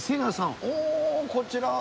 おおこちら？